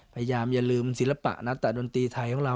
พยายามอย่าลืมศิลปะนัตตาดนตรีไทยของเรา